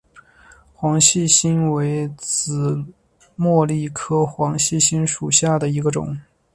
黄细心为紫茉莉科黄细心属下的一个种。